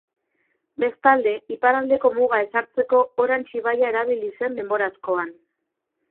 Bestalde, iparraldeko muga ezartzeko Orange ibaia erabili zen denbora askoan.